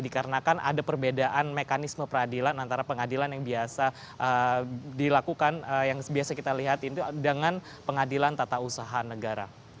dikarenakan ada perbedaan mekanisme peradilan antara pengadilan yang biasa dilakukan yang biasa kita lihat itu dengan pengadilan tata usaha negara